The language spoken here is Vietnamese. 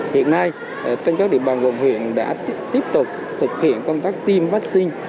hiện nay trên các địa bàn quận huyện đã tiếp tục thực hiện công tác tiêm vaccine